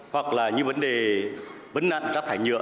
hoặc là như vấn đề vấn nạn rác thải nhựa